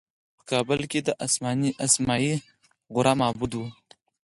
په کابل کې د اسمايي غره معبد و